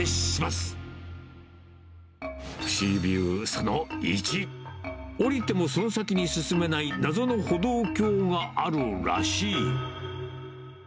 その１、下りてもその先に進めない謎の歩道橋があるらしい。